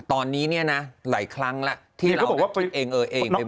ตอนนี้นะหลายครั้งแล้วที่เราก็คิดเอง